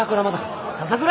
笹倉？